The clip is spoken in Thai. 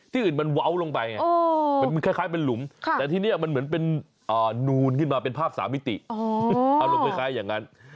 อื่นมันเว้าลงไปมันคล้ายเป็นหลุมแต่ที่นี่มันเหมือนเป็นนูนขึ้นมาเป็นภาพ๓มิติอารมณ์คล้ายอย่างนั้น